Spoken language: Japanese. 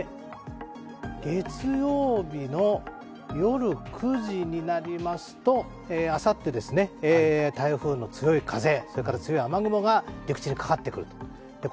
月曜日の夜９時になりますと、あさって、台風の強い風それから強い雨雲が陸地にかかってくると。